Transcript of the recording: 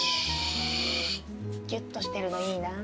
ギュッとしてるのいいな。